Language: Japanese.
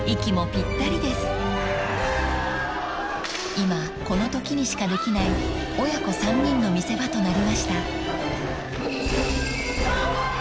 ［今このときにしかできない親子３人の見せ場となりました］